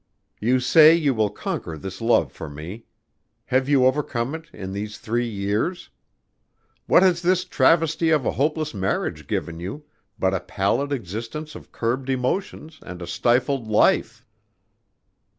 You say you will conquer this love for me. Have you overcome it in these three years? What has this travesty of a hopeless marriage given you, but a pallid existence of curbed emotions and a stifled life?"